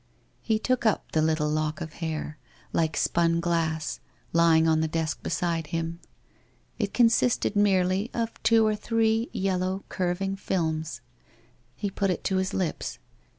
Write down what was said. He took up the little lock of hair, like spun glass, lying on the desk beside him. It consisted merely of two or three yellow curving films. He put it to his lips.